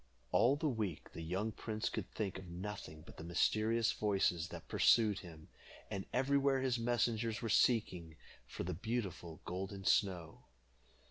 All the week the young prince could think of nothing but the mysterious voices that pursued him, and everywhere his messengers were seeking for the beautiful Golden Snow.